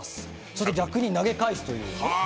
それで逆に投げ返すという。